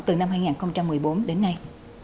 từ năm hai nghìn một mươi bốn đến nay